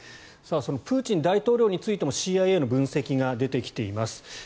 そのプーチン大統領についてもＣＩＡの分析が出てきています。